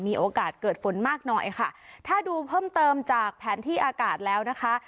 มีโอกาสเกิดฝนมากหน่อยค่ะถ้าดูเพิ่มเติมจากแผนที่อากาศแล้วนะคะ